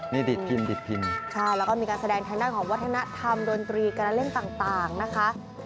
นี่ดีดพิมพ์ดีดพิมพ์ใช่แล้วก็มีการแสดงทางด้านของวัฒนธรรมดนตรีการเล่นต่างนะคะ